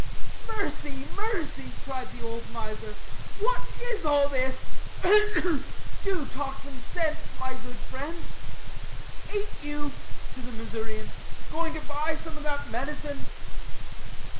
"Mercy, mercy!" cried the old miser, "what is all this! ugh, ugh! Do talk sense, my good friends. Ain't you," to the Missourian, "going to buy some of that medicine?"